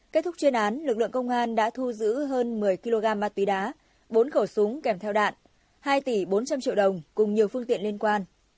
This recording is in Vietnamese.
kết thúc chuyên án lực lượng công an đã thu giữ hơn một mươi kg ma túy đá bốn khẩu súng kèm theo đạn hai tỷ bốn trăm linh triệu đồng cùng nhiều phương tiện liên quan